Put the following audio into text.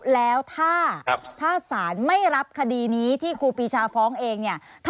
แล้วถ้าสารไม่รับคดีนี้ที่ครูปีชาฟ้องเองเนี่ย